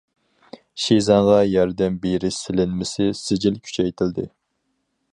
—— شىزاڭغا ياردەم بېرىش سېلىنمىسى سىجىل كۈچەيتىلدى.